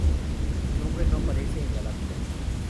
Su nombre no aparece en la lápida.